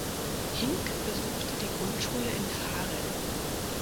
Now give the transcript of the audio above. Hinck besuchte die Grundschule in Varel.